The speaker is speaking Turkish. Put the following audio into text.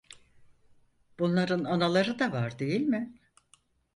Bunların anaları da var değil mi?